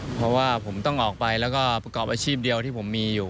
เพราะว่าผมต้องออกไปแล้วก็ประกอบอาชีพเดียวที่ผมมีอยู่